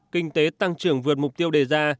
kinh tế tăng trưởng vượt mục tiêu đề ra